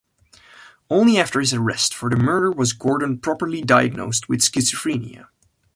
Only after his arrest for murder was Gordon properly diagnosed with schizophrenia.